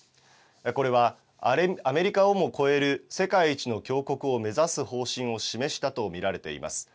これはアメリカをも超える世界一の強国を目指す方針を示したと見られています。